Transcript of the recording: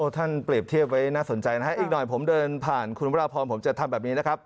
เปรียบเทียบไว้น่าสนใจนะฮะอีกหน่อยผมเดินผ่านคุณพระราพรผมจะทำแบบนี้นะครับ